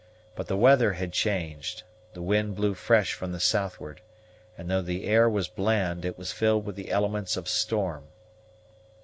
But the weather had changed; the wind blew fresh from the southward, and though the air was bland, it was filled with the elements of storm.